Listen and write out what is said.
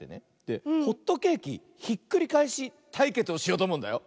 ホットケーキひっくりかえしたいけつをしようとおもうんだよ。